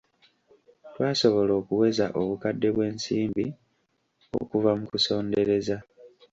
Twasobola okuweza obukadde bw'ensimbi okuva mu kusondereza.